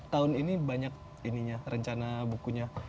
tahun ini banyak ininya rencana bukunya